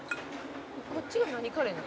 「こっちが何カレーなの？」